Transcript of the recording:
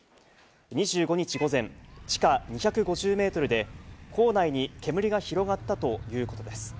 ２５日午前、地下２５０メートルで、坑内に煙が広がったということです。